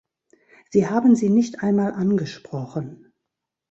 Sie haben sie nicht einmal angesprochen.